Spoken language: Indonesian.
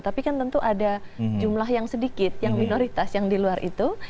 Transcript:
tapi kan tentu ada jumlah yang sedikit yang minoritas yang di luar itu